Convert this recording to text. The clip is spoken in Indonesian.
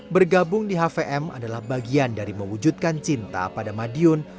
bergabung di hvm adalah bagian dari mewujudkan cinta pada madiun